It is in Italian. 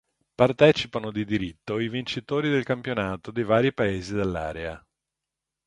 Partecipano di diritto i vincitori del campionato dei vari Paesi dell'area.